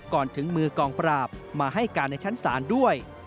ถึงมือกองปราบมาให้การในชั้นศาลด้วย